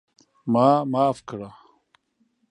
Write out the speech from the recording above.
ما معاف کړه!